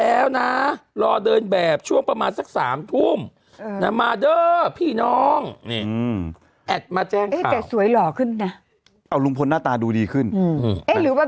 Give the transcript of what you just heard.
เอ๊ะแต่สวยหล่อขึ้นนะเอาลุงพลหน้าตาดูดีขึ้นอืมเอ๊ะหรือว่า